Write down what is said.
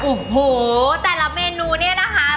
โอ้โหแต่ละเมนูเนี่ยนะคะ